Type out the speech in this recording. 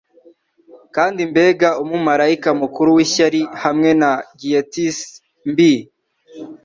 Kandi mbega umumarayika mukuru w'ishyari hamwe na gaieties mbi